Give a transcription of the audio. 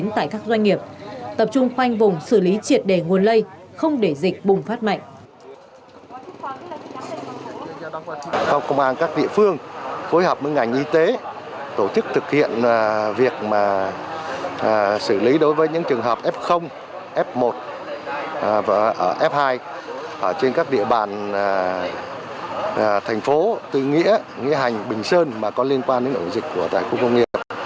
tại các doanh nghiệp tập trung quanh vùng xử lý triệt đề nguồn lây không để dịch bùng phát mạnh